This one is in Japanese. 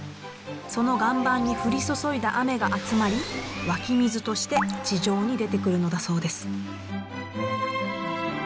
その岩盤に降り注いだ雨が集まり湧き水として地上に出てくるのだそうです。